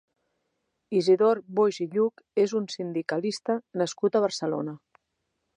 Isidor Boix i Lluch és un sindicalista nascut a Barcelona.